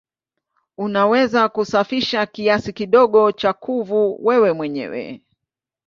Unaweza kusafisha kiasi kidogo cha kuvu wewe mwenyewe.